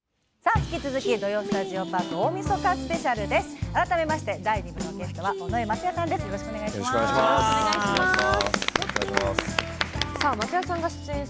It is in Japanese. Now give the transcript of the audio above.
引き続き「土曜スタジオパーク大みそかスペシャル」です。